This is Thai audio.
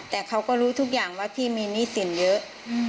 แต่เขาก็รู้ทุกอย่างว่าพี่มีหนี้สินเยอะ